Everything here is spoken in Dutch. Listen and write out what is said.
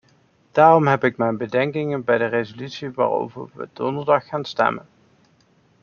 Daarom heb ik mijn bedenkingen bij de resolutie waarover we donderdag gaan stemmen.